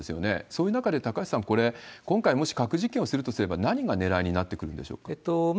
そういう中で高橋さん、これ、今回もし核実験をするとすれば、何がねらいになってくるんでしょうか？